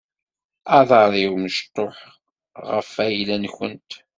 Aḍaṛ-iw mecṭuḥ ɣf ayla-nkent.